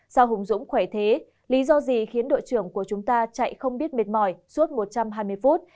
sau hùng dũng khỏe thế lý do gì khiến đội trưởng của chúng ta chạy không biết mệt mỏi suốt một trăm hai mươi phút